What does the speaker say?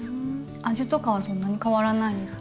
味とかはそんなに変わらないんですか？